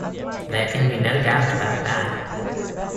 There can be no doubt about that.